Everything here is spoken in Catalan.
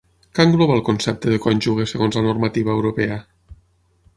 Què engloba el concepte de cònjuge segons la normativa europea?